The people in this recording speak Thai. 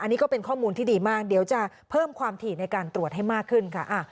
อันนี้ก็เป็นข้อมูลที่ดีมากเดี๋ยวจะเพิ่มความถี่ในการตรวจให้มากขึ้นค่ะ